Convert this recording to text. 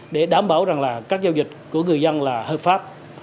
để đảm bảo rằng là các giao dịch của người dân là hợp pháp